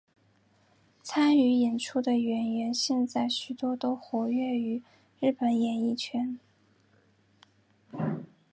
参与演出的演员现在许多都活跃于日本演艺圈。